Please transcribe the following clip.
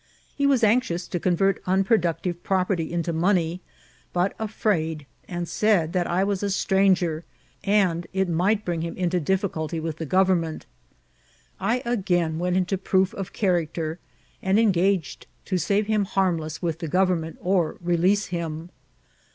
He was anxious to convert unproduc tive property into money, but afraid, and said that I was a stranger, and it might bring him into difficulty with the government. I again went into proof of char acter, and engaged to save him harmless with the gov ernment or release him.